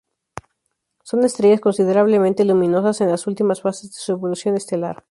Son estrellas considerablemente luminosas en las últimas fases de su evolución estelar.